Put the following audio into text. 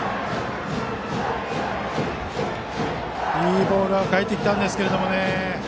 いいボールが返ってきたんですけどね。